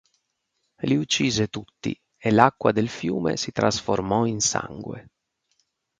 Li uccise tutti e l'acqua del fiume si trasformò in sangue.